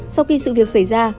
sau khi sự việc xảy ra